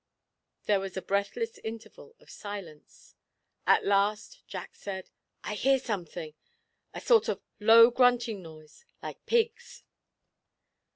There was a breathless interval of silence. At last Jack said: 'I hear something a sort of low grunting noise, like pigs.'